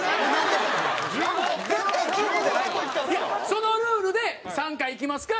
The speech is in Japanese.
そのルールで３回いきますか？